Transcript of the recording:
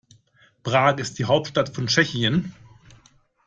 Prag ist die Hauptstadt von Tschechien.